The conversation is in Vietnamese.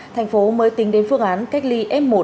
thành phố mới tính đến phương án cách ly f một